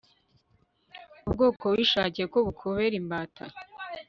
ubwoko wishakiye ko bukubera imbata